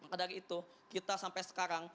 nah dari itu kita sampai sekarang